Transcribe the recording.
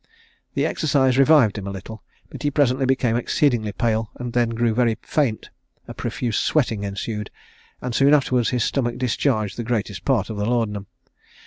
The exercise revived him a little; but he presently became exceedingly pale; then grew very faint; a profuse sweating ensued; and soon afterwards his stomach discharged the greatest part of the laudanum.